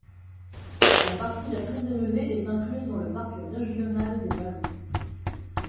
La partie la plus élevée est incluse dans le parc régional des Ballons.